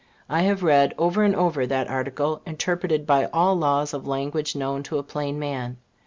I have read, over and over, that article, interpreted by all laws of language known to a plain man.